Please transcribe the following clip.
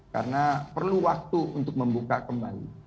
karena perlu waktu untuk membuka kembali